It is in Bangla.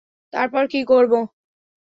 তারপর কী করবো?